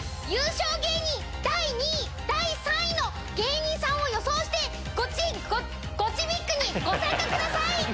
優勝芸人第２位第３位の芸人さんを予想してゴチゴチＢＩＧにご参加ください！